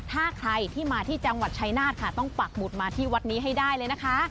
ถ้าใครที่มาที่จังหวัดชายนาฏค่ะต้องปักหมุดมาที่วัดนี้ให้ได้เลยนะคะ